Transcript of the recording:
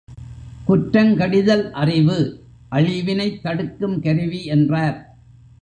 குற்றங்கடிதல் அறிவு அழிவினைத் தடுக்கும் கருவி என்றார்.